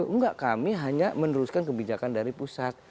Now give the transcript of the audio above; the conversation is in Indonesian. enggak kami hanya meneruskan kebijakan dari pusat